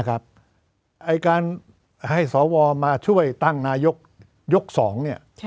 ไอ้การให้สวมาช่วยตั้งนายกยก๒เนี่ย